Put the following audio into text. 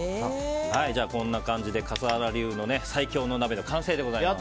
こんな感じで笠原流の最強鍋が完成でございます。